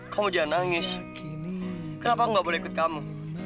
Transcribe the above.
kamu jangan nangis kenapa aku gak boleh ikut kamu